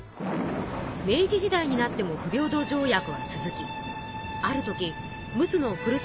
明治時代になっても不平等条約は続きある時陸奥のふるさと